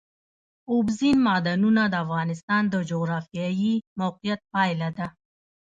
اوبزین معدنونه د افغانستان د جغرافیایي موقیعت پایله ده.